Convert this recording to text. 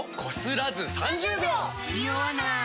ニオわない！